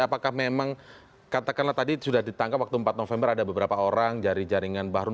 apakah memang katakanlah tadi sudah ditangkap waktu empat november ada beberapa orang dari jaringan bahru